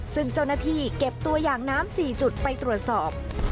ซึ่งเจ้าหน้าที่เก็บตัวอย่างน้ำ๔จุดไปตรวจสอบ